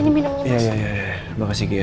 ini minumnya mas